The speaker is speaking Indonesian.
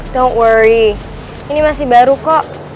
dong worry ini masih baru kok